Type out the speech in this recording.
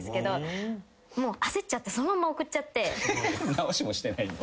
直しもしてないんだ。